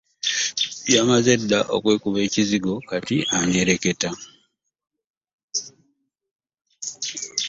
Yamaze dda okwekuba ekizigo kati anyereketa.